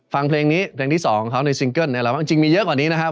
ฟังเพลงนี้เพลงที่๒เขาในซิงเกิ้ลจริงมีเยอะกว่านี้นะครับ